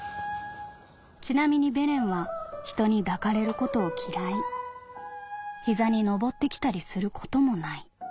「ちなみにベレンは人に抱かれることを嫌い膝に登ってきたりすることもない。